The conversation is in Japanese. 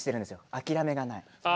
諦めがない。